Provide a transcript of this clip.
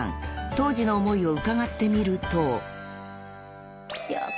［当時の思いを伺ってみると］